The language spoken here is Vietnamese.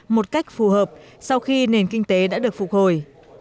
một cách phù hợp sau khi nền kinh tế đã được phục hồi